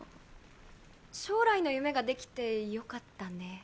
将来の夢ができてよかったね。